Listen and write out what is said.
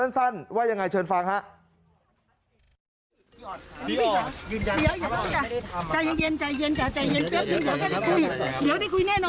สั้นว่ายังไงเชิญฟังฮะ